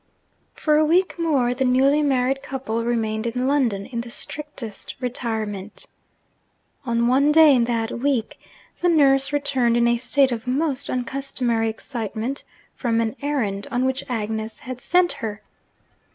For a week more, the newly married couple remained in London, in the strictest retirement. On one day in that week the nurse returned in a state of most uncustomary excitement from an errand on which Agnes had sent her.